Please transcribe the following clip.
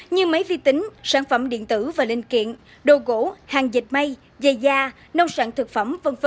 như máy vi tính sản phẩm điện tử và linh kiện đồ gỗ hàng dịch mây giày da sản phẩm